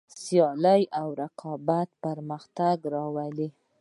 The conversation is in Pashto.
سیالي او رقابت پرمختګ راولي.